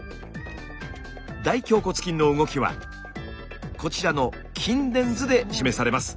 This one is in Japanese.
大頬骨筋の動きはこちらの筋電図で示されます。